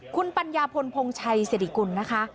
คุณปัญญาพลพงชัยสิริกุลนะคะ